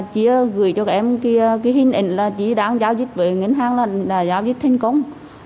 cái hình ảnh là chị đang giao dịch với ngân hàng là đã giao dịch thành công